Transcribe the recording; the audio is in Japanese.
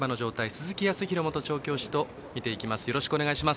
鈴木康弘元調教師と見ていきます。